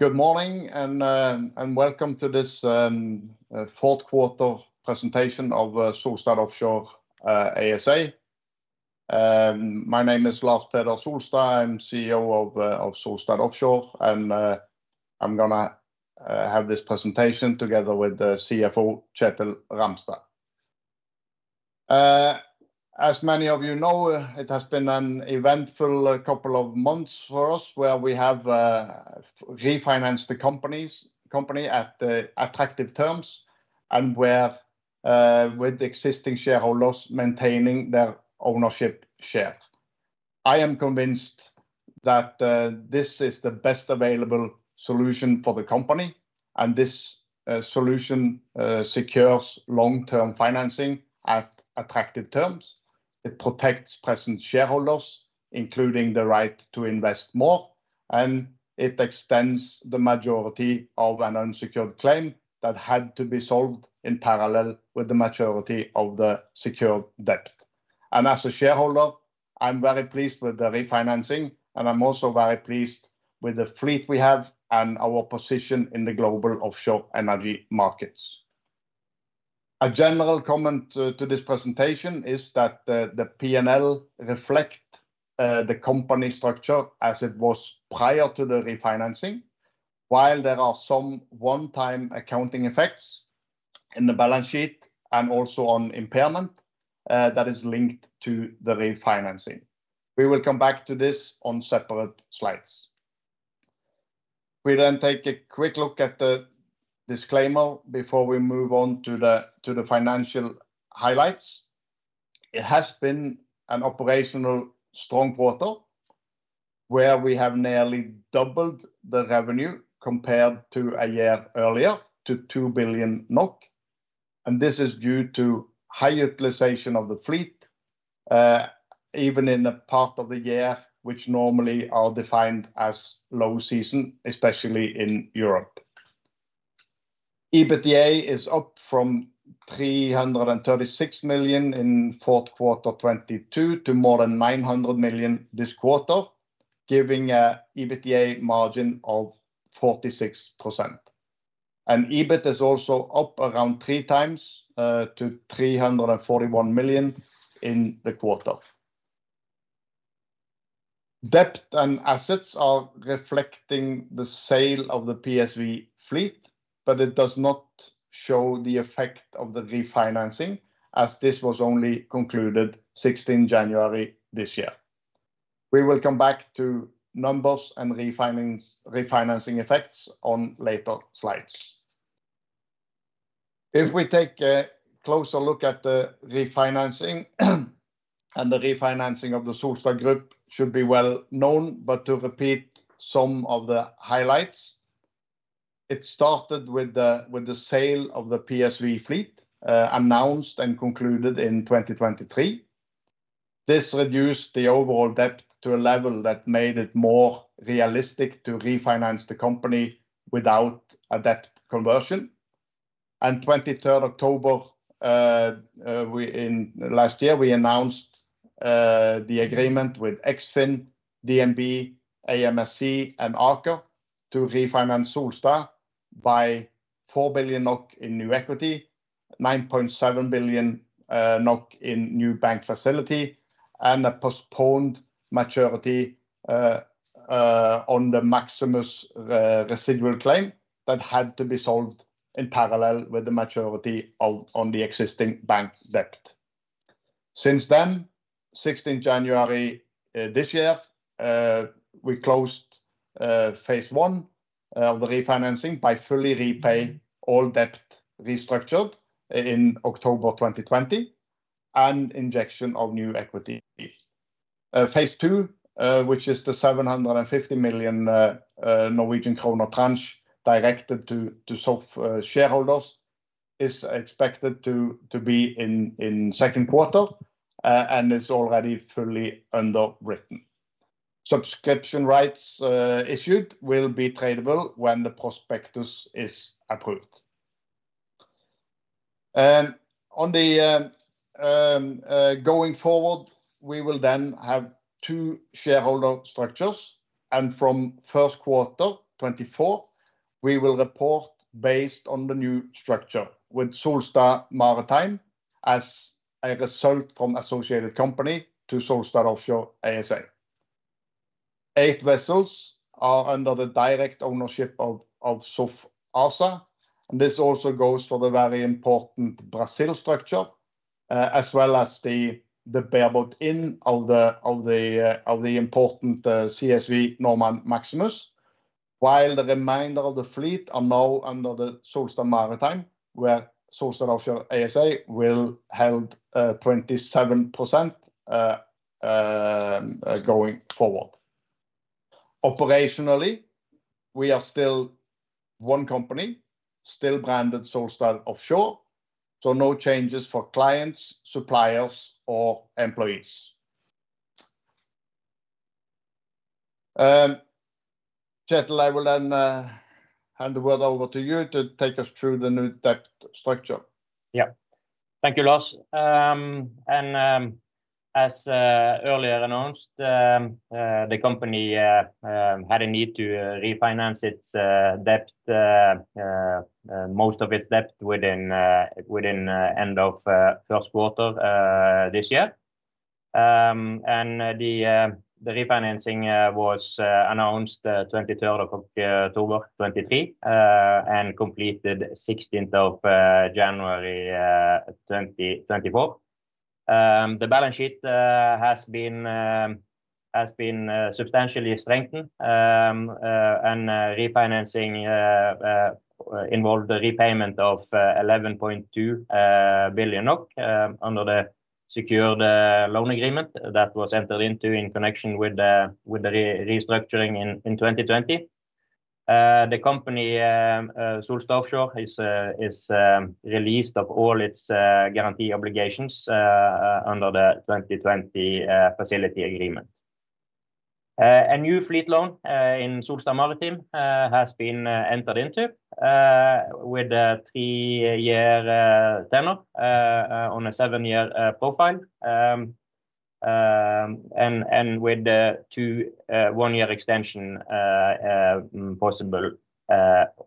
Good morning, and welcome to this Fourth Quarter Presentation of Solstad Offshore ASA. My name is Lars Peder Solstad, I'm CEO of Solstad Offshore, and I'm gonna have this presentation together with the CFO, Kjetil Ramstad. As many of you know, it has been an eventful couple of months for us, where we have refinanced the companies- company at attractive terms, and where with existing shareholders maintaining their ownership share. I am convinced that this is the best available solution for the company, and this solution secures long-term financing at attractive terms. It protects present shareholders, including the right to invest more, and it extends the majority of an unsecured claim that had to be solved in parallel with the majority of the secured debt. As a shareholder, I'm very pleased with the refinancing, and I'm also very pleased with the fleet we have and our position in the global offshore energy markets. A general comment to this presentation is that the P&L reflect the company structure as it was prior to the refinancing. While there are some one-time accounting effects in the balance sheet and also on impairment that is linked to the refinancing. We will come back to this on separate slides. We take a quick look at the disclaimer before we move on to the financial highlights. It has been an operationally strong quarter, where we have nearly doubled the revenue compared to a year earlier, to 2 billion NOK, and this is due to high utilization of the fleet, even in the part of the year, which normally are defined as low season, especially in Europe. EBITDA is up from 336 million in fourth quarter 2022 to more than 900 million this quarter, giving an EBITDA margin of 46%. EBIT is also up around 3x, to 341 million in the quarter. Debt and assets are reflecting the sale of the PSV fleet, but it does not show the effect of the refinancing, as this was only concluded 16 January this year. We will come back to numbers and refinancing effects on later slides. If we take a closer look at the refinancing, and the refinancing of the Solstad Group should be well known, but to repeat some of the highlights, it started with the, with the sale of the PSV fleet, announced and concluded in 2023. This reduced the overall debt to a level that made it more realistic to refinance the company without a debt conversion. And 23rd October, in last year, we announced the agreement with Eksfin, DNB, AMSC, and Archer to refinance Solstad by 4 billion NOK in new equity, 9.7 billion NOK in new bank facility, and a postponed maturity on the Maximus residual claim that had to be solved in parallel with the maturity on the existing bank debt. Since then, 16 January this year, we closed phase one of the refinancing by fully repaying all debt restructured in October 2020, and injection of new equity. Phase two, which is the 750 million Norwegian kroner tranche directed to SOF shareholders, is expected to be in second quarter, and is already fully underwritten. Subscription rights issued will be tradable when the prospectus is approved. On the going forward, we will then have two shareholder structures, and from first quarter 2024, we will report based on the new structure, with Solstad Maritime as a result from associated company to Solstad Offshore ASA. Eight vessels are under the direct ownership of SOF ASA, and this also goes for the very important Brazil structure, as well as the bareboat of the important CSV Normand Maximus. While the remainder of the fleet are now under the Solstad Maritime, where Solstad Offshore ASA will held 27% going forward. Operationally, we are still one company, still branded Solstad Offshore, so no changes for clients, suppliers or employees. Kjetil, I will then hand the word over to you to take us through the new debt structure. Yeah. Thank you, Lars. As earlier announced, the company had a need to refinance its debt, most of its debt within end of first quarter this year. The refinancing was announced twenty-third of October 2023, and completed sixteenth of January 2024. The balance sheet has been substantially strengthened. Refinancing involved the repayment of 11.2 billion under the secured loan agreement that was entered into in connection with the restructuring in 2020. The company Solstad Offshore is released of all its guarantee obligations under the 2020 facility agreement. A new fleet loan in Solstad Maritime has been entered into with a 3-year tenure on a 7-year profile. And with the two 1-year extension possible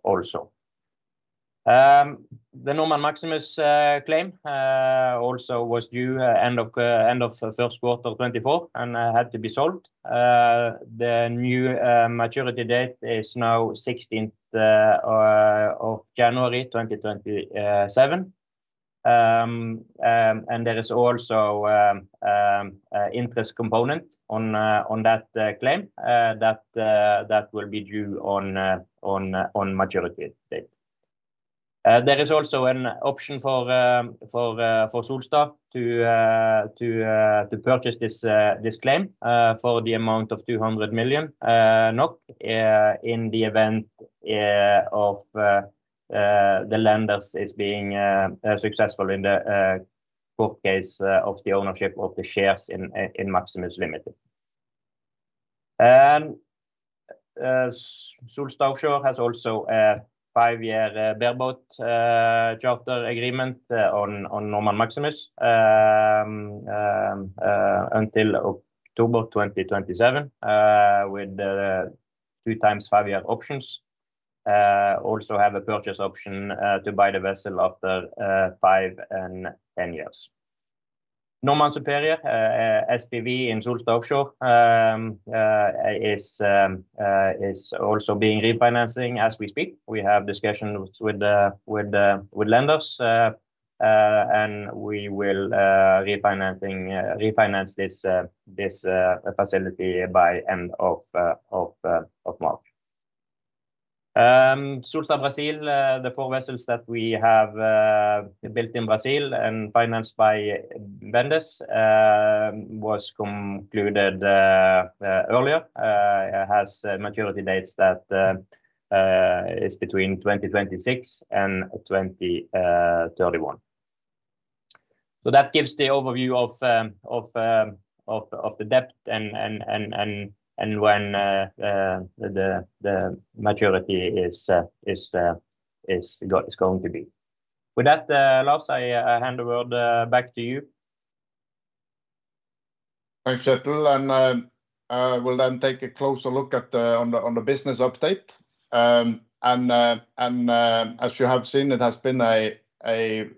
also. The Normand Maximus claim also was due end of the first quarter of 2024 and had to be sold. The new maturity date is now 16th of January 2027. And there is also an interest component on that claim that will be due on maturity date. There is also an option for Solstad to purchase this claim for the amount of 200 million NOK in the event of the lenders is being successful in the court case of the ownership of the shares in Maximus Limited. Solstad Offshore has also a 5-year bareboat charter agreement on Normand Maximus until October 2027 with two times 5-year options. Also have a purchase option to buy the vessel after 5 and 10 years. Normand Superior SPV and Solstad Offshore is also being refinancing as we speak. We have discussions with the lenders, and we will refinance this facility by end of March. Solstad Brasil, the four vessels that we have built in Brazil and financed by vendors, was concluded earlier, has maturity dates that is between 2026 and 2031. So that gives the overview of the debt and when the maturity is going to be. With that, Lars, I hand the word back to you. Thanks, Kjetil, and we'll then take a closer look at the business update. As you have seen, it has been a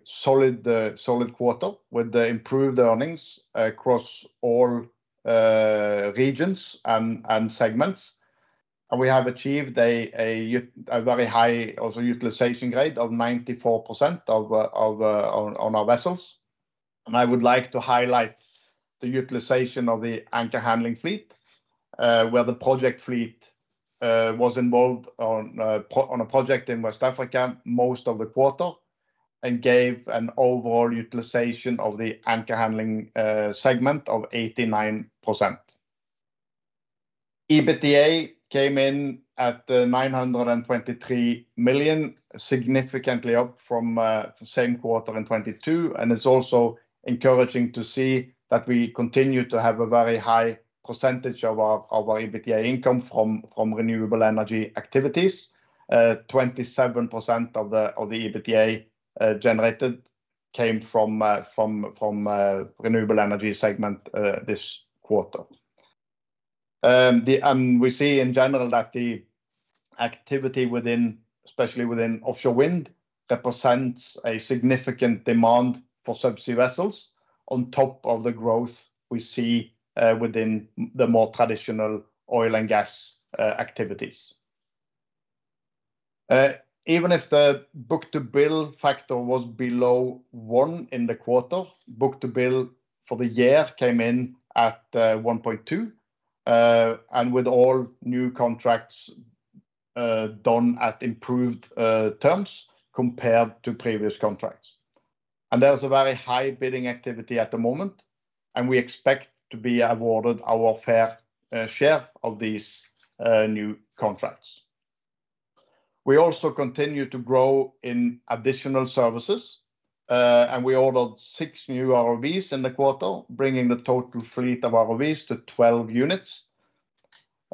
solid quarter, with improved earnings across all regions and segments. We have achieved a very high also utilization rate of 94% on our vessels. I would like to highlight the utilization of the anchor handling fleet, where the project fleet was involved on a project in West Africa most of the quarter, and gave an overall utilization of the anchor handling segment of 89%. EBITDA came in at 923 million, significantly up from the same quarter in 2022. It's also encouraging to see that we continue to have a very high percentage of our EBITDA income from renewable energy activities. 27% of the EBITDA generated came from renewable energy segment this quarter. And we see in general that the activity within, especially within offshore wind, represents a significant demand for subsea vessels, on top of the growth we see within the more traditional oil and gas activities. Even if the book-to-bill factor was below 1 in the quarter, book-to-bill for the year came in at 1.2. And with all new contracts done at improved terms compared to previous contracts. And there's a very high bidding activity at the moment, and we expect to be awarded our fair share of these new contracts. We also continue to grow in additional services, and we ordered 6 new ROVs in the quarter, bringing the total fleet of ROVs to 12 units,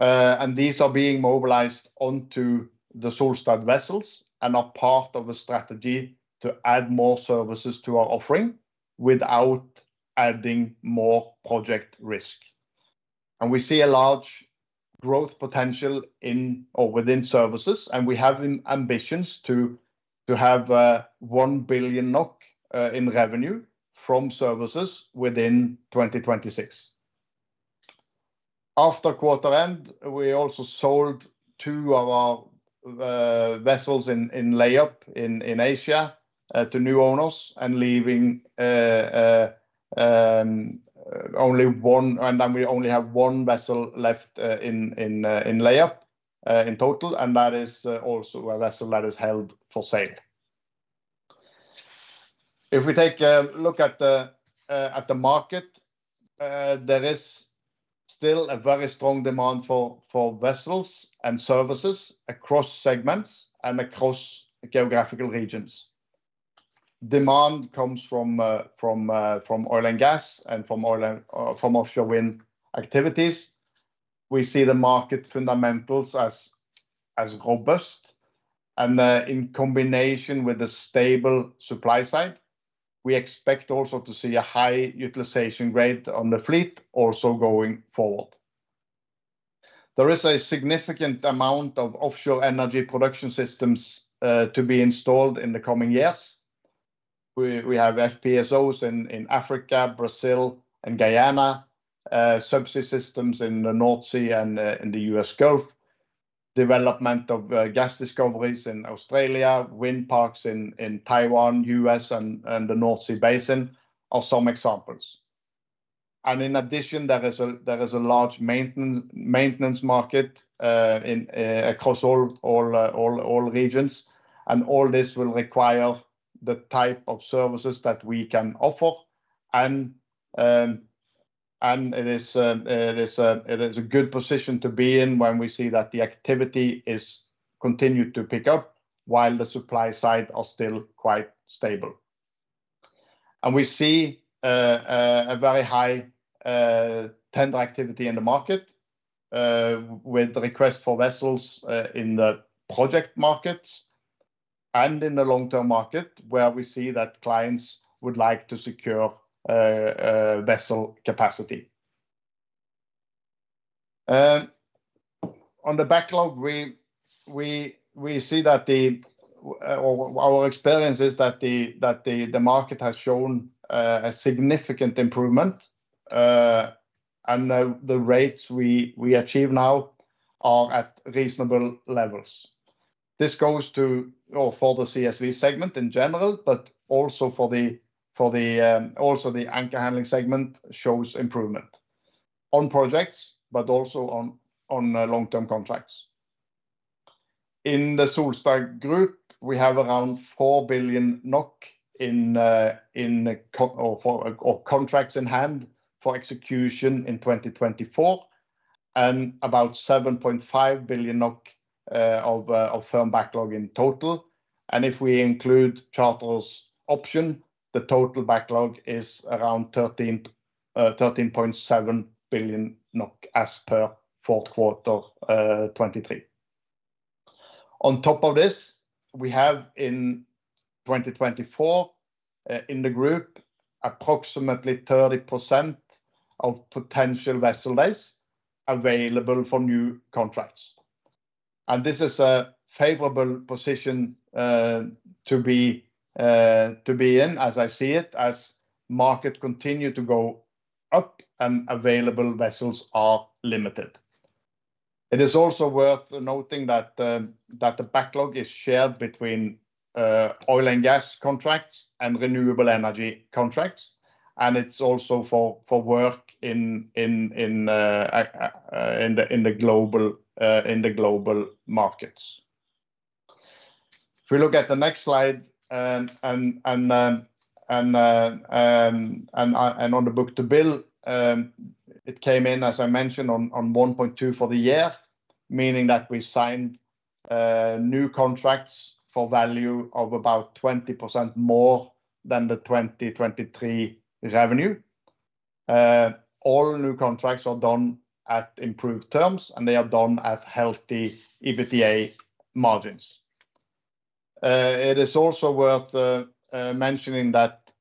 and these are being mobilized onto the Solstad vessels and are part of a strategy to add more services to our offering without adding more project risk. And we see a large growth potential in or within services, and we have ambitions to have 1 billion NOK in revenue from services within 2026. After quarter end, we also sold two of our vessels in lay-up in Asia to new owners, and then we only have one vessel left in lay-up in total, and that is also a vessel that is held for sale. If we take a look at the market, there is still a very strong demand for vessels and services across segments and across geographical regions. Demand comes from oil and gas and from offshore wind activities. We see the market fundamentals as robust, and in combination with a stable supply side, we expect also to see a high utilization rate on the fleet also going forward. There is a significant amount of offshore energy production systems to be installed in the coming years. We have FPSOs in Africa, Brazil, and Guyana, subsea systems in the North Sea and in the U.S. Gulf, development of gas discoveries in Australia, wind parks in Taiwan, U.S., and the North Sea basin are some examples. And in addition, there is a large maintenance market across all regions, and all this will require the type of services that we can offer. And it is a good position to be in when we see that the activity is continued to pick up while the supply side are still quite stable. We see a very high tender activity in the market with the request for vessels in the project market and in the long-term market, where we see that clients would like to secure a vessel capacity. On the backlog, our experience is that the market has shown a significant improvement, and the rates we achieve now are at reasonable levels. This goes to or for the CSV segment in general, but also for the anchor handling segment shows improvement on projects, but also on long-term contracts. In the Solstad Group, we have around NOK 4 billion in contracts in hand for execution in 2024, and about 7.5 billion NOK of firm backlog in total. If we include charter options, the total backlog is around 13.7 billion NOK as per fourth quarter 2023. On top of this, we have in 2024, in the group, approximately 30% of potential vessel days available for new contracts. This is a favorable position to be in, as I see it, as market continue to go up and available vessels are limited. It is also worth noting that the backlog is shared between oil and gas contracts and renewable energy contracts, and it's also for work in the global markets. If we look at the next slide, and on the book-to-bill, it came in, as I mentioned, on 1.2 for the year, meaning that we signed new contracts for value of about 20% more than the 2023 revenue. All new contracts are done at improved terms, and they are done at healthy EBITDA margins. It is also worth mentioning that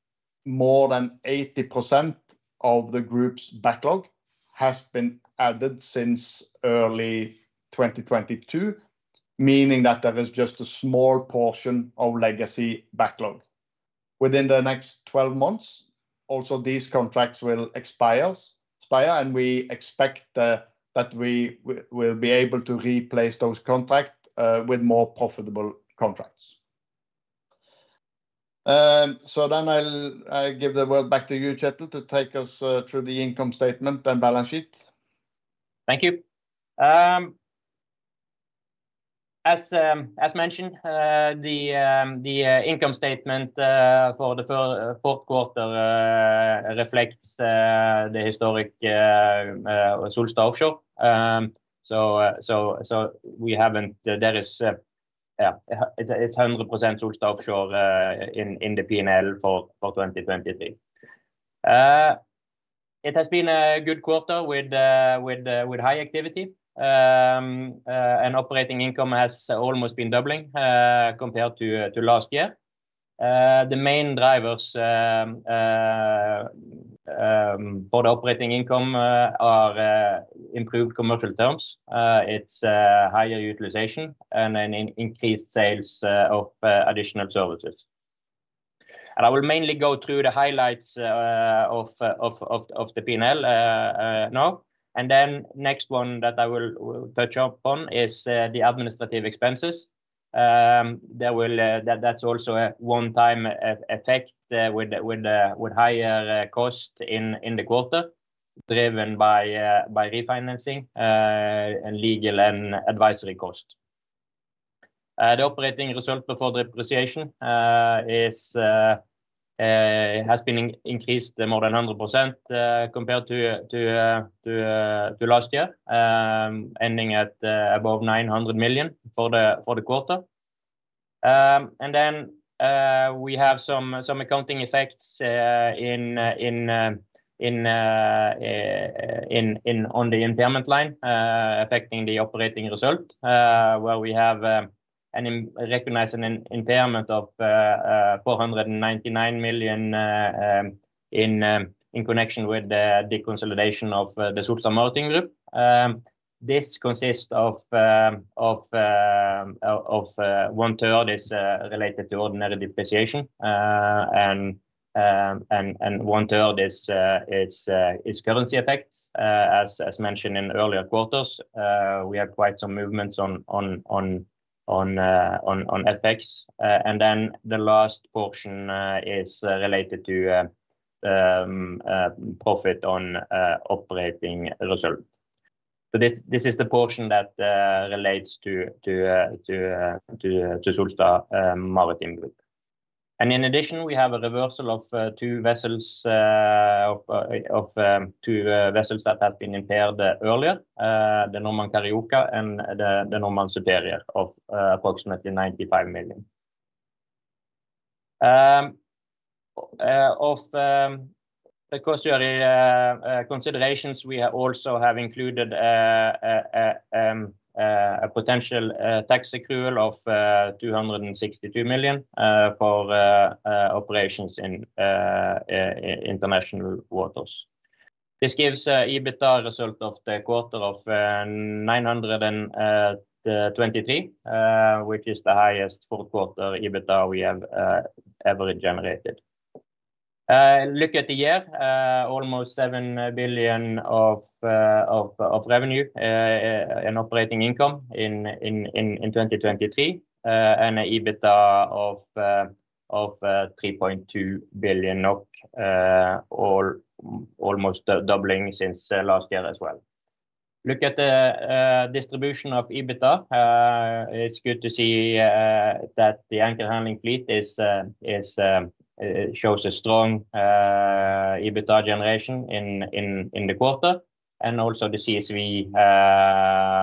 more than 80% of the group's backlog has been added since early 2022, meaning that there is just a small portion of legacy backlog. Within the next 12 months, also, these contracts will expire, and we expect that we will be able to replace those contracts with more profitable contracts. So then I'll give the word back to you, Kjetil, to take us through the income statement and balance sheet. Thank you. As mentioned, the income statement for the fourth quarter reflects the historic Solstad Offshore. It's 100% Solstad Offshore in the P&L for 2023. It has been a good quarter with high activity. And operating income has almost been doubling compared to last year. The main drivers for the operating income are improved commercial terms. It's higher utilization and an increased sales of additional services. And I will mainly go through the highlights of the P&L now, and then next one that I will touch up on is the administrative expenses. That's also a one-time effect with higher cost in the quarter, driven by refinancing and legal and advisory cost. The operating result before the depreciation has been increased more than 100%, compared to last year, ending at above 900 million for the quarter. And then we have some accounting effects in on the impairment line, affecting the operating result, where we have recognize an impairment of 499 million in connection with the deconsolidation of the Solstad Maritime Group. This consists of one third is related to ordinary depreciation. And one third is, it's currency effects. As mentioned in earlier quarters, we have quite some movements on effects. And then the last portion is related to profit on operating result. But this is the portion that relates to Solstad Maritime Group. And in addition, we have a reversal of two vessels that have been impaired earlier, the Normand Carioca and the Normand Superior of approximately NOK 95 million. Of the cost sharing considerations, we are also have included a potential tax accrual of 262 million for operations in international waters. This gives a EBITDA result of the quarter of 923 million, which is the highest fourth quarter EBITDA we have ever generated. Look at the year, almost 7 billion of revenue and operating income in 2023, and an EBITDA of 3.2 billion, or almost doubling since last year as well. Look at the distribution of EBITDA. It's good to see that the anchor handling fleet shows a strong EBITDA generation in the quarter, and also the CSV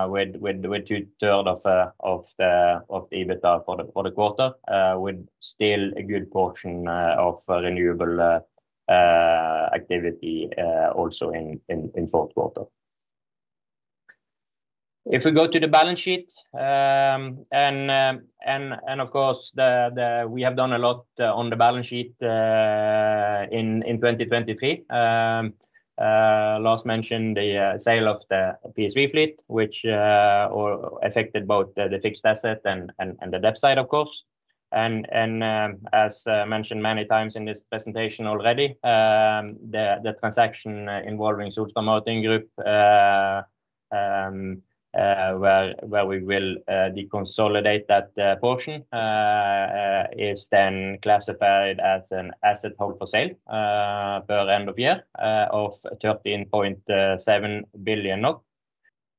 with two third of the EBITDA for the quarter with still a good portion of renewable activity also in fourth quarter. If we go to the balance sheet, and of course, we have done a lot on the balance sheet in 2023. Last mentioned the sale of the PSV fleet, which affected both the fixed asset and the debt side, of course. And, as mentioned many times in this presentation already, the transaction involving Solstad Maritime Group, where we will deconsolidate that portion, is then classified as an asset held for sale, per end of year, of 13.7 billion,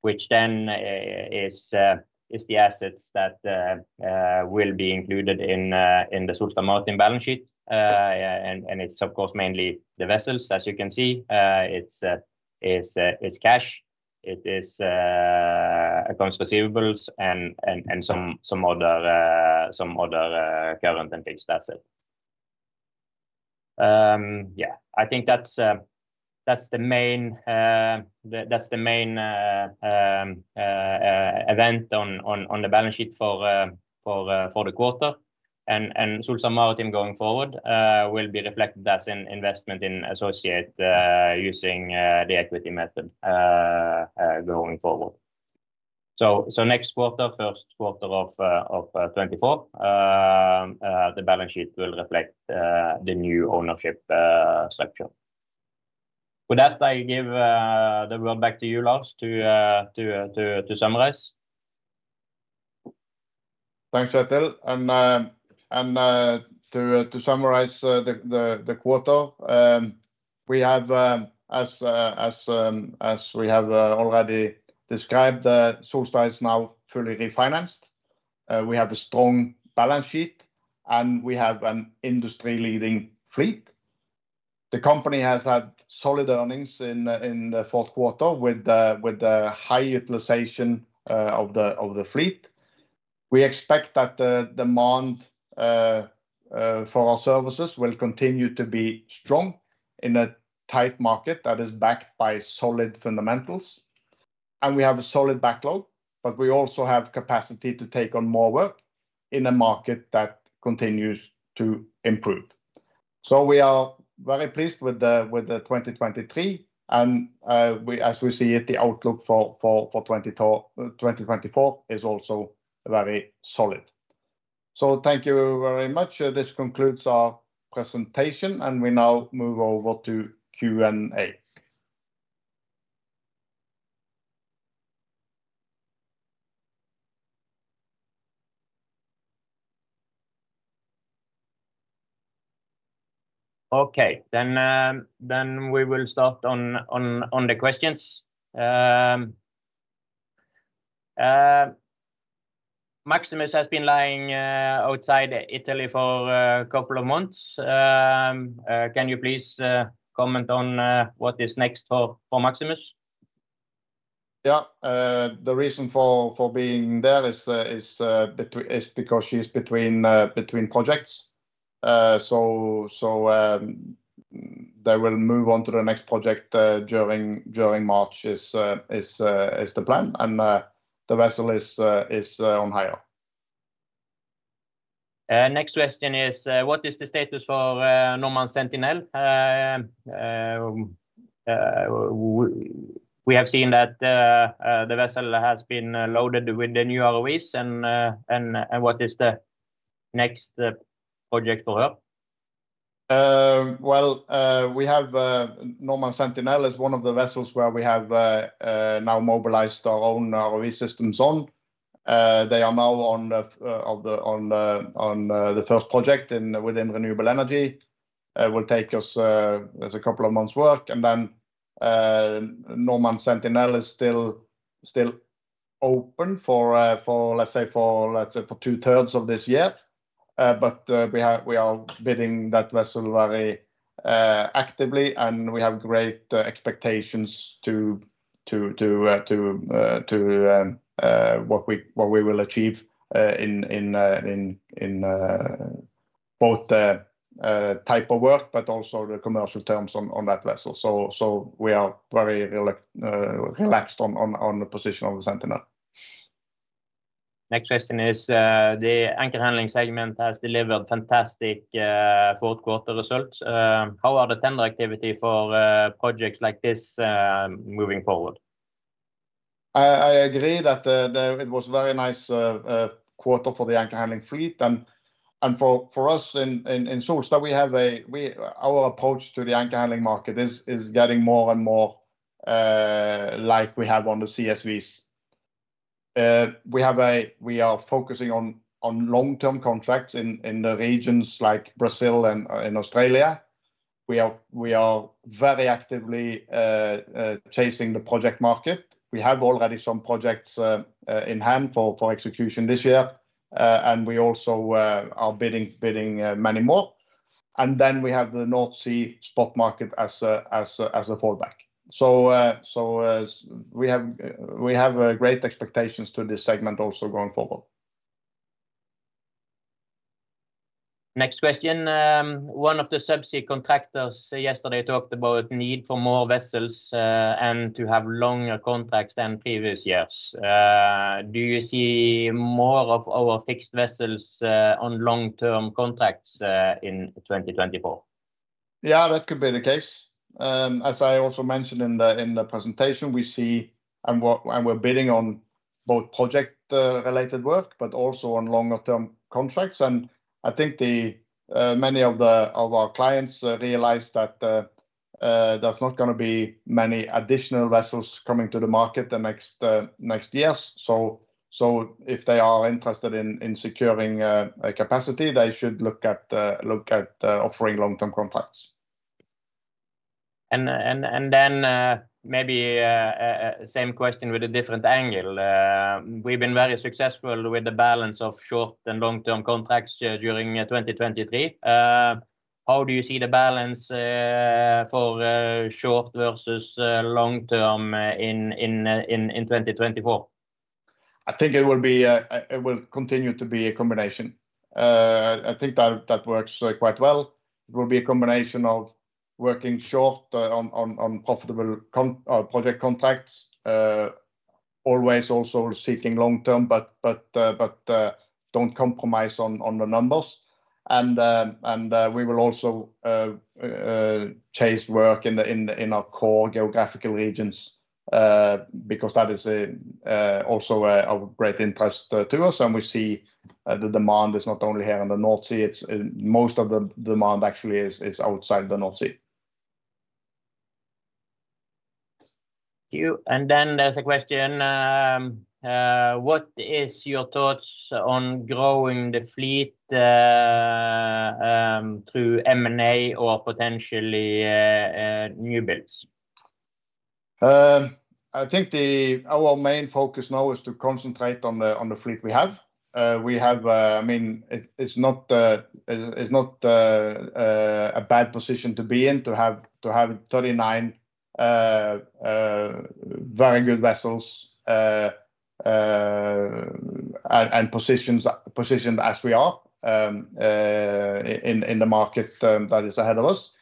which then is the assets that will be included in the Solstad Maritime balance sheet. And it's, of course, mainly the vessels. As you can see, it's cash, it is accounts receivables, and some other current and fixed asset. Yeah, I think that's the main event on the balance sheet for the quarter. Solstad Maritime going forward will be reflected as an investment in associate using the equity method going forward. So next quarter, first quarter of 2024, the balance sheet will reflect the new ownership structure. With that, I give the world back to you, Lars, to summarize. Thanks, Kjetil. And, to summarize, the quarter, we have, as we have already described, Solstad is now fully refinanced. We have a strong balance sheet, and we have an industry-leading fleet. The company has had solid earnings in the fourth quarter with the high utilization of the fleet. We expect that the demand for our services will continue to be strong in a tight market that is backed by solid fundamentals. And we have a solid backlog, but we also have capacity to take on more work in a market that continues to improve. So we are very pleased with the 2023, and, as we see it, the outlook for 2024 is also very solid. Thank you very much. This concludes our presentation, and we now move over to Q&A. Okay, then we will start on the questions. Maximus has been lying outside Italy for a couple of months. Can you please comment on what is next for Maximus? Yeah. The reason for being there is because she's between projects. So they will move on to the next project during March. That is the plan, and the vessel is on hire. Next question is, what is the status for Normand Sentinel? We have seen that the vessel has been loaded with the new ROVs and what is the next project for her? Well, we have, Normand Sentinel is one of the vessels where we have now mobilized our own ROV systems on. They are now on the first project within renewable energy. Will take us, there's a couple of months work, and then, Normand Sentinel is still open for, let's say, for two-thirds of this year. But, we are bidding that vessel very actively, and we have great expectations to what we will achieve in both the type of work, but also the commercial terms on that vessel. So, we are very relaxed on the position of the Sentinel. Next question is, the anchor handling segment has delivered fantastic fourth quarter results. How are the tender activity for projects like this moving forward? I agree that it was very nice quarter for the anchor handling fleet and for us in Solstad that we have our approach to the anchor handling market is getting more and more like we have on the CSVs. We are focusing on long-term contracts in the regions like Brazil and Australia. We are very actively chasing the project market. We have already some projects in hand for execution this year. And we also are bidding many more. And then we have the North Sea spot market as a fallback. So we have great expectations to this segment also going forward. Next question. One of the subsea contractors yesterday talked about need for more vessels, and to have longer contracts than previous years. Do you see more of our fixed vessels on long-term contracts in 2024? Yeah, that could be the case. As I also mentioned in the presentation, we're bidding on both project related work, but also on longer-term contracts. And I think many of our clients realize that there's not gonna be many additional vessels coming to the market the next years. So if they are interested in securing a capacity, they should look at offering long-term contracts. Then, maybe same question with a different angle. We've been very successful with the balance of short and long-term contracts during 2023. How do you see the balance for short versus long-term in 2024? I think it will be, it will continue to be a combination. I think that that works quite well. It will be a combination of working short on profitable project contracts. Always also seeking long term, but don't compromise on the numbers. We will also chase work in our core geographical regions, because that is also of great interest to us, and we see the demand is not only here on the North Sea, it's in... Most of the demand actually is outside the North Sea. Thank you. And then there's a question: what is your thoughts on growing the fleet through M&A or potentially new builds? I think our main focus now is to concentrate on the fleet we have. We have... I mean, it's not a bad position to be in, to have, to have 39 very good vessels, and positions, positioned as we are, in the market that is ahead of us.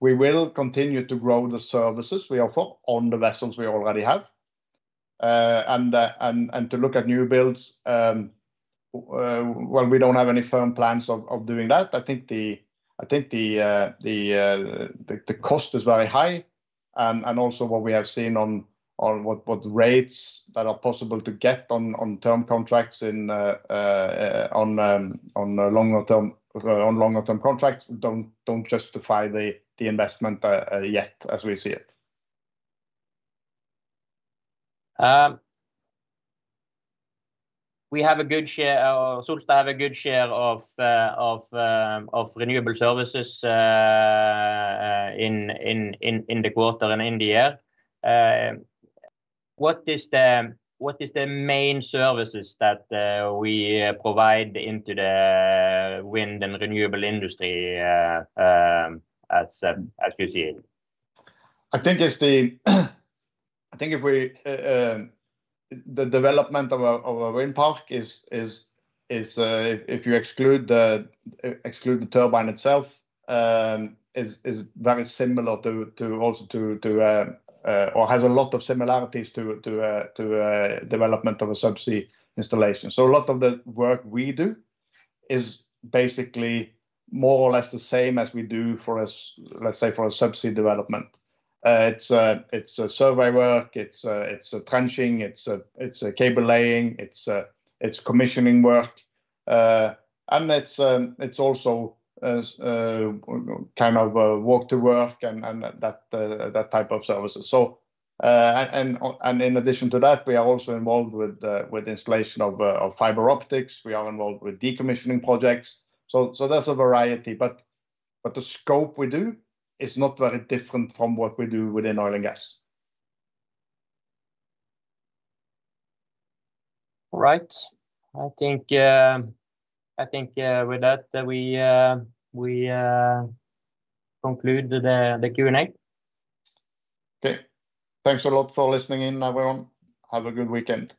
We will continue to grow the services we offer on the vessels we already have. And to look at new builds, well, we don't have any firm plans of doing that. I think the cost is very high. And also what we have seen on what rates that are possible to get on term contracts, on longer term contracts don't justify the investment yet as we see it. We have a good share, or Solstad have a good share of renewable services in the quarter and in the year. What is the main services that we provide into the wind and renewable industry, as you see it? I think the development of a wind park is, if you exclude the turbine itself, very similar to or has a lot of similarities to development of a subsea installation. So a lot of the work we do is basically more or less the same as we do for a subsea development. It's a survey work, it's a trenching, it's a cable laying, it's commissioning work. And it's also kind of a walk to work and that type of services. So, in addition to that, we are also involved with the installation of fiber optics. We are involved with decommissioning projects. So, there's a variety, but the scope we do is not very different from what we do within oil and gas. All right. I think with that, we conclude the Q&A. Okay. Thanks a lot for listening in, everyone. Have a good weekend.